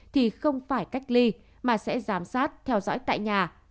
thì không phải cách ly mà sẽ giám sát theo dõi tại nhà